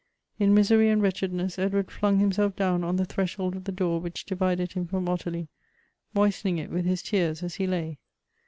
In misery and wretchedness, Edward flung himself down on the threshold of the door which divided him from Ottilie, moistening it with his tears as he lay.